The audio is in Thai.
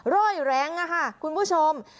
ร่อยแรงค่ะคุณผู้ชม